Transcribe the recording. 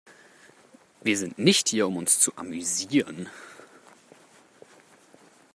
Wir sind nicht hier, um uns zu amüsieren.